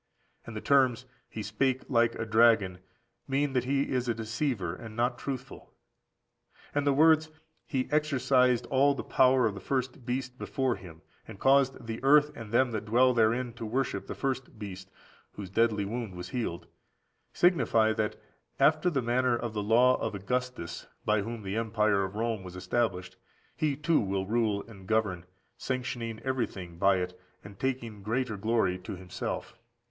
And the terms, "he spake like a dragon," mean that he is a deceiver, and not truthful. And the words, "he exercised all the power of the first beast before him, and caused the earth and them which dwell therein to worship the first beast, whose deadly wound was healed," signify that, after the manner of the law of Augustus, by whom the empire of Rome was established, he too will rule and govern, sanctioning everything by it, and taking greater glory to himself.